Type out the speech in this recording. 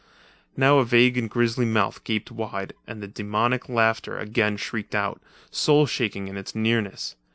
Now a vague and grisly mouth gaped wide and the demoniac laughter again shrieked but, soul shaking in its nearness.